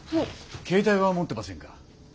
携帯は持ってませんか？